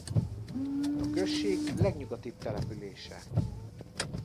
A község legnyugatibb települése.